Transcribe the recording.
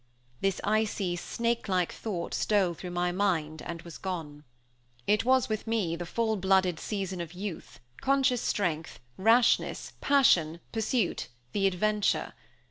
This icy, snake like thought stole through my mind, and was gone. It was with me the full blooded season of youth, conscious strength, rashness, passion, pursuit, the adventure!